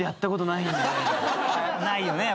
ないよね。